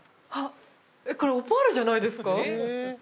これオパールじゃないですか？